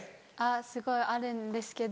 すごいあるんですけど。